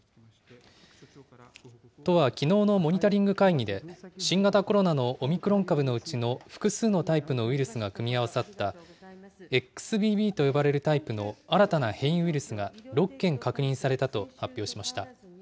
都はきのうのモニタリング会議で、新型コロナのオミクロン株のうちの複数のタイプのウイルスが組み合わさった、ＸＢＢと呼ばれるタイプの新たな変異ウイルスが６件確認されたと発表しました。